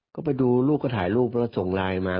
ก็ไปดูลูกก็ถ่ายรูปแล้วส่งไลน์มา